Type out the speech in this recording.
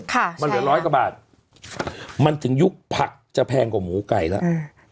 คะใช่มันเหลือร้อยกว่าบาทถึงอยู่ผักจะแพงกว่าหมูไก่ละอื้ม